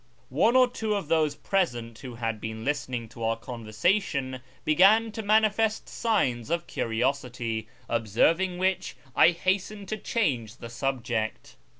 One or two of those present who had been listening to our conversation began to manifest signs of curiosity, observ ing which I hastened to change the subject.